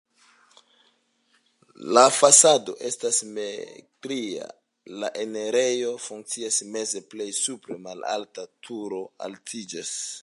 La fasado estas simetria, la enirejo funkcias meze, plej supre malalta turo altiĝas.